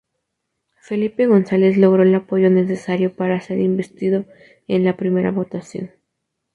Felipe González logró el apoyo necesario para ser investido en la primera votación.